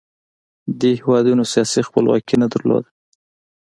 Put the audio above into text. دې هېوادونو سیاسي خپلواکي نه لرله